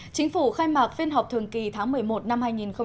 chính phủ khai mạc phiên họp thường kỳ tháng một mươi một năm hai nghìn một mươi sáu